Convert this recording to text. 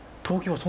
東京